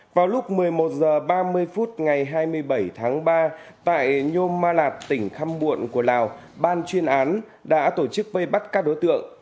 vào lúc một mươi một h ba mươi phút ngày hai mươi bảy tháng ba tại nhôm ma lạc tỉnh khăm muộn của lào ban chuyên án đã tổ chức vây bắt các đối tượng